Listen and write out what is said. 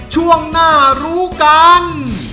ช่วงหน้ารู้กัน